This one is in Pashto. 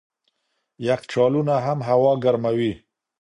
یخچالونه هم هوا ګرموي.